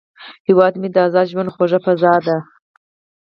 هیواد مې د ازاد ژوند خوږه فضا ده